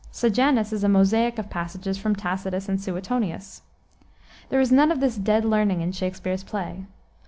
Sejanus is a mosaic of passages, from Tacitus and Suetonius. There is none of this dead learning in Shakspere's play.